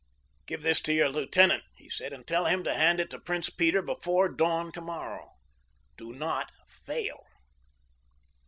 "Give this to your lieutenant," he said, "and tell him to hand it to Prince Peter before dawn tomorrow. Do not fail."